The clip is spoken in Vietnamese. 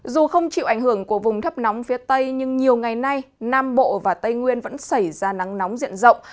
dù không chịu ảnh hưởng của vùng thấp nóng phía tây nhưng nhiều ngày nay nam bộ và tây nguyên vẫn xảy ra nắng nóng diện rộng